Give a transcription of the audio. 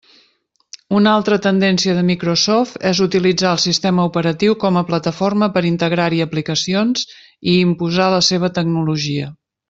Una altra tendència de Microsoft és utilitzar el sistema operatiu com a plataforma per integrar-hi aplicacions i imposar la seva tecnologia.